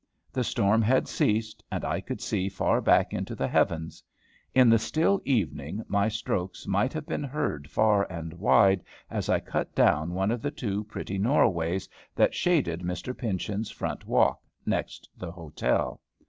The storm had ceased, and I could see far back into the heavens. In the still evening my strokes might have been heard far and wide, as I cut down one of the two pretty Norways that shaded Mr. Pynchon's front walk, next the hotel.